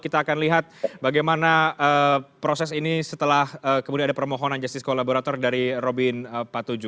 kita akan lihat bagaimana proses ini setelah kemudian ada permohonan justice kolaborator dari robin patuju